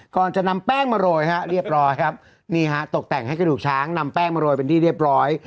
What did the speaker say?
ก่อนจะนำแป้งมาโรยฮะเรียบร้อยครับนี่ฮะตกแต่งให้กระดูกช้างนำแป้งมาโรยเป็นที่เรียบร้อย